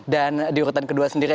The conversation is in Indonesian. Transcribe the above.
dan di urutan kedua sendiri